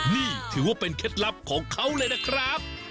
นี่ถือว่าเป็นเคล็ดลับของเขาเลยนะครับ